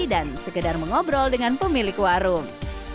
dan sekedar mengobrol dengan pemilik warung